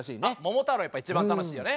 やっぱ一番楽しいよね。